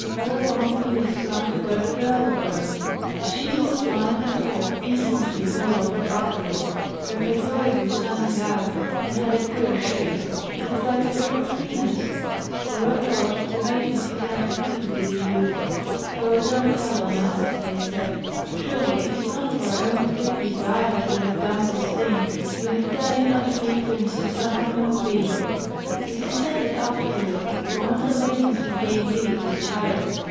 Thereupon the youths ran to where the girls were. She who was lying on top instantly fell over backward. Her clitoris was standing out and had a queer shape; it was like a turtle's penis. Thereupon the maidens began to plead with the youths: 'Oh, don't tell on us!' they said. 'Truly it is not of our own free desire that we have done this thing We have done it under the influence of some unknown being.' It is said that afterward one of the maidens became big with child.